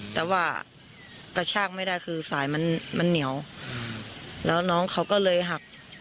แต่ว่ากระชากไม่ได้คือสายมันมันเหนียวแล้วน้องเขาก็เลยหัก